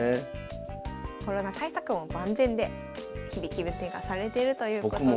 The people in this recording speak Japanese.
コロナ対策も万全で日々気分転換されてるということです。